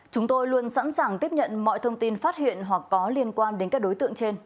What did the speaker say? chúng tôi luôn sẵn sàng tiếp nhận mọi thông tin phát hiện hoặc có liên quan đến các đối tượng trên